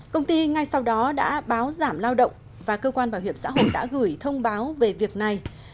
công ty ngay sau đó đã báo giảm lao động và cơ quan bảo hiểm xã hội đã gửi thông báo về việc này